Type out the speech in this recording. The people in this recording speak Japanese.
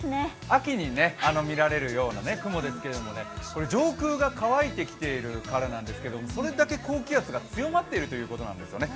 秋にみられるような雲ですけれども上空が乾いてきているからなんですけれども、それだけ高気圧が強まっているということなんですね。